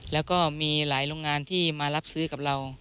แล้วก็มีหลายโรงงานที่มารับซื้อกับเรา